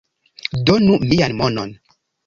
Donu mian monon